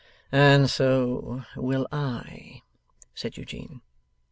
'And so will I,' said Eugene.